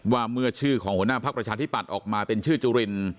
ว่าเมื่อชื่อของหัวหน้าภักดิ์ประชาธิปัตย์ออกมาเป็นชื่อจุริน